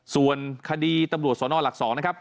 ส่วนคดีตำรวจสนหลัก๒นะครับ